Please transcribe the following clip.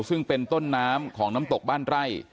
ซึ่งเป็นต้นน้ำของน้ำตกบ้านไร่